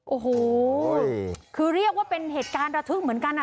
โอ้โหคือเรียกว่าเป็นเหตุการณ์ระทึกเหมือนกันนะ